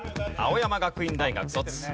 青山学院大学卒。